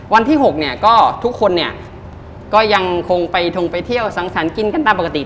วันที่๖เนี่ยก็ทุกคนเนี่ยก็ยังคงไปทงไปเที่ยวสังสรรค์กินกันตามปกติ